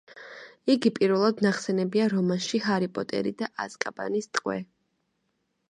იგი პირველად ნახსენებია რომანში ჰარი პოტერი და აზკაბანის ტყვე.